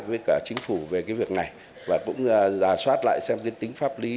với cả chính phủ về cái việc này và cũng giả soát lại xem cái tính pháp lý